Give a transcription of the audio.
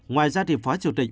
ngoài ra thì phó chủ tịch